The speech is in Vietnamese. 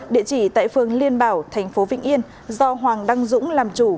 địa chỉ tại phương liên bảo tp vĩnh yên do hoàng đăng dũng làm chủ